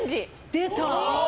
出た！